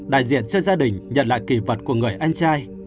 đại diện cho gia đình nhận lại kỳ vật của người anh trai